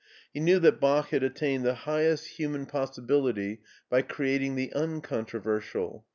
He knew that Bach had attained the highest human pes 178 MARTIN SCHtJLER sibility by creating the uncontroversial.